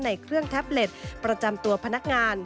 ในเครื่องแท็บเล็ตประจำตัวพนักงาน